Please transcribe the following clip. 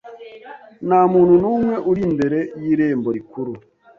Nta muntu n'umwe uri imbere y'irembo rikuru.